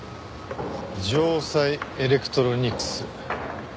城西エレクトロニクス。